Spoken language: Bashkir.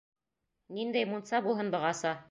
Ниндәй мунса булһын бығаса.